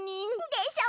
でしょ！